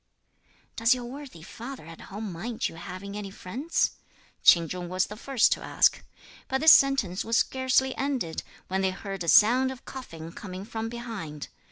"Does your worthy father at home mind your having any friends?" Ch'in Chung was the first to ask. But this sentence was scarcely ended, when they heard a sound of coughing coming from behind.